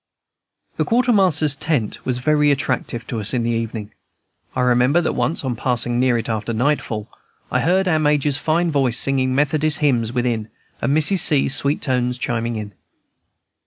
The Quartermaster's tent was very attractive to us in the evening. I remember that once, on passing near it after nightfall, I heard our Major's fine voice singing Methodist hymns within, and Mrs. C.'s sweet tones chiming in.